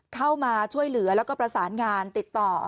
เข้ามาช่วยเหลือแล้วก็ประสานงานติดต่อ